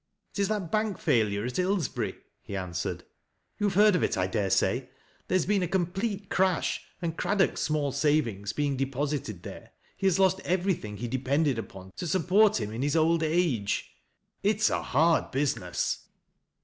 "It is that bank failure at lUsbery," he answered. " You have heard of it, I dare say. There has been a complete crash, and Crad dock's small savings being de posited there, he has lost everything he depended upon to support him in his old age. It is a hard business."